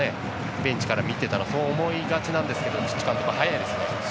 ベンチから見ていたらそう思いがちなんですけどチッチ監督は早いですね。